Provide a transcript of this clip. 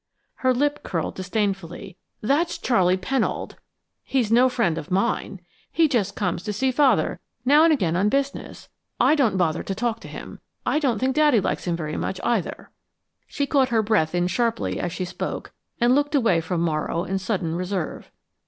Her lip curled disdainfully. "That's Charley Pennold. He's no friend of mine. He just comes to see Father now and again on business. I don't bother to talk to him. I don't think Daddy likes him very much, either." She caught her breath in sharply as she spoke, and looked away from Morrow in sudden reserve.